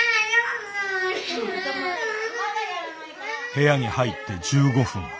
部屋に入って１５分。